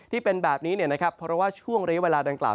ที่เป็นแบบนี้เพราะว่าช่วงระยะเวลาดังกล่าว